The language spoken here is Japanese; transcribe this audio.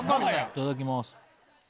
いただきます。